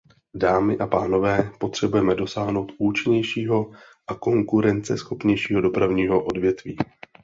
Dámy a pánové, potřebujeme dosáhnout účinnějšího a konkurenceschopnějšího dopravního odvětví.